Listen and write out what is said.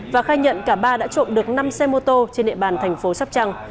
và khai nhận cả ba đã trộm được năm xe mô tô trên địa bàn thành phố sắp trăng